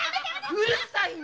うるさいね！